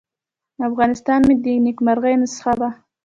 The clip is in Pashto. افغانستان مې د نیکمرغۍ نسخه وه.